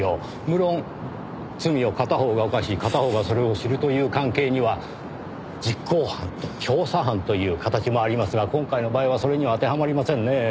無論罪を片方が犯し片方がそれを知るという関係には実行犯と教唆犯という形もありますが今回の場合はそれには当てはまりませんねぇ。